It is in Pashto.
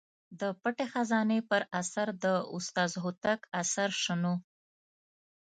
د پټې خزانې پر اثر د استاد هوتک اثر شنو.